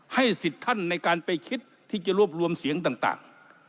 สิทธิ์ท่านในการไปคิดที่จะรวบรวมเสียงต่าง